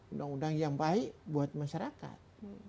undang undang yang baik buat masyarakat